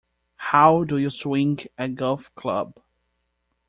How do you swing a golf club?